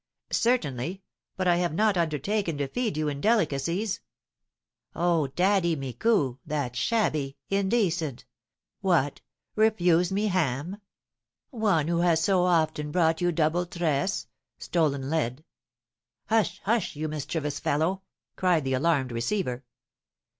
"Certainly, but I have not undertaken to feed you in delicacies." "Oh, Daddy Micou, that's shabby indecent. What, refuse me ham! One who has so often brought you 'double tresse' (stolen lead)!" "Hush, hush! You mischievous fellow," cried the alarmed receiver.